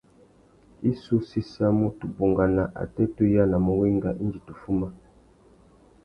I sú séssamú tu bungana atê tu yānamú wenga indi tu fuma.